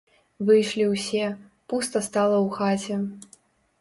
Выйшлі ўсе, пуста стала ў хаце.